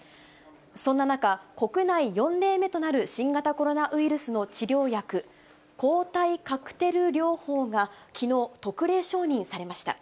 そんな中、国内４例目となる新型コロナウイルスの治療薬、抗体カクテル療法がきのう、特例承認されました。